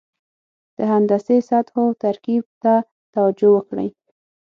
د هندسي سطحو ترکیب ته توجه وکړئ.